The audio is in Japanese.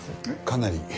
かなり。